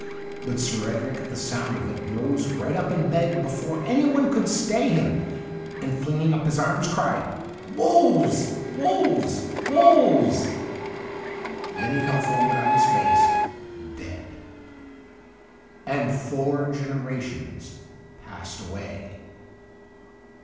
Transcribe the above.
But Sir Edric, at the sound of it, rose right up in bed before anyone could stay him, and flinging up his arms cried, ' Wolves ! wolves ! wolves !' Then he fell forward on his face, dead. And four generations passed away.